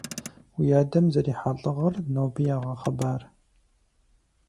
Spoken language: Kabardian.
Уи адэм зэрихьа лӀыгъэр ноби ягъэхъыбар.